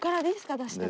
出しても。